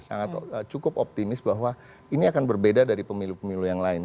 sangat cukup optimis bahwa ini akan berbeda dari pemilu pemilu yang lain